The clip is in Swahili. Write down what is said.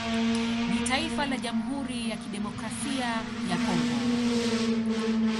Ni taifa la Jamhuri ya Kidemokrasia ya Congo